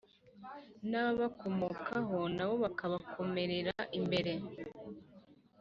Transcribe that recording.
n’ababakomokaho na bo bakabakomerera imbere